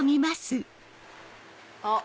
あっ。